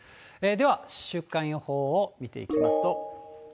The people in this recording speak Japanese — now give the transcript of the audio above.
では、週間予報を見ていきますと。